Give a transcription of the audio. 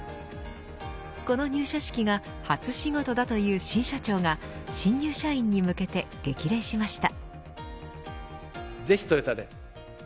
この入社式が初仕事だという新社長が新入社員に向けて激励しました。